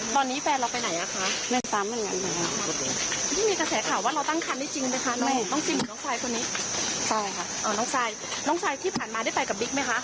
พี่ซินกับพี่ปอยอะคะ